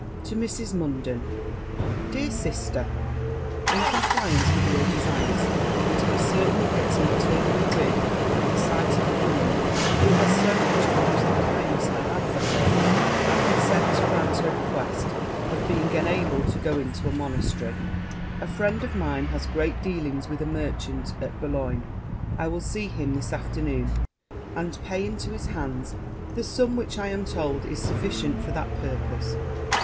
'To Mrs. Munden. Dear Sister, In compliance with your desires, and to be certain of getting eternally rid of the sight of a woman who has so much abused the kindness I had for her, I consent to grant her request of being enabled to go into a monastery: a friend of mine has great dealings with a merchant at Bologne; I will see him this afternoon, and pay into his hands the sum which I am told is sufficient for that purpose.